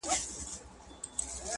ستا د لپي په رڼو اوبو کي گراني .